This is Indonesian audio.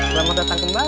selamat datang kembali